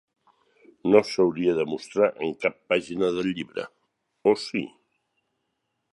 No s'hauria de mostrar en cap pàgina de llibre, o sí?